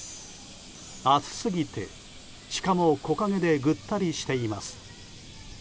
暑すぎて、シカも木陰でぐったりしています。